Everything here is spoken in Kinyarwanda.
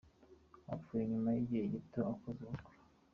Apfuye nyuma y’igihe gito akoze ubukwe.